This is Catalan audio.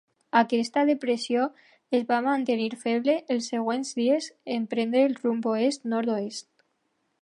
Aquesta depressió es va mantenir feble els següents dies en prendre el rumb oest-nord-oest.